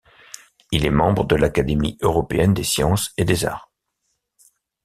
Il est membre de l'Académie européenne des sciences et des arts.